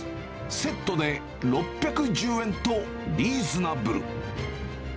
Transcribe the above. セットで６１０円とリーズナブル。